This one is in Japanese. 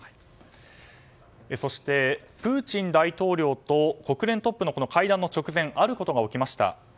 そして、プーチン大統領と国連トップの会談の直前あることが起きました。